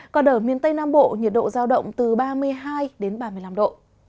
còn ở miền tây nam bộ nhiệt độ giao động từ ba mươi hai đến ba mươi năm độ